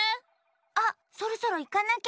あっそろそろいかなきゃ。